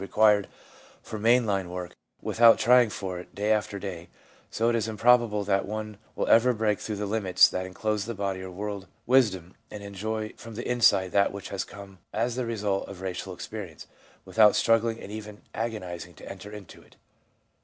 ADOLESCENCE— BIRTH OF A LARGER SELF 263 required for main line work without trying for it day after day, so ft is improbable that one will ever break through the limits that enclose the body of world wisdom and enjoy from the inside that which has come as the result of racial experience, without struggling and even agonising to enter into it.